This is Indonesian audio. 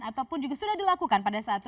ataupun juga sudah dilakukan pada saat